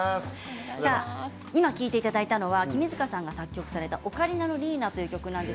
今聴いていただいたのは君塚さんが作曲された「オカリナのリーナ」という曲です。